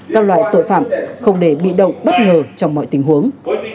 các loại tội phạm không để bị động bất ngờ trong mọi tình huống